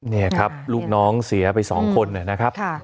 นี่ครับลูกน้องเสียไป๒คนนะครับ